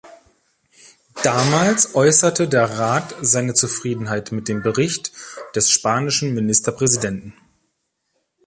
Damals äußerte der Rat seine Zufriedenheit mit dem Bericht des spanischen Ministerpräsidenten.